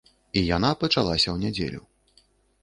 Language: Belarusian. І яна пачалася ў нядзелю.